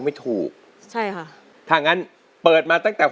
แผนที่๓ที่คุณนุ้ยเลือกออกมานะครับ